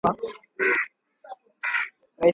Rais Biden amesema